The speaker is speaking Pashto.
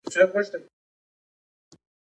دا د کارګرانو او پانګوالو ترمنځ تضاد زیاتوي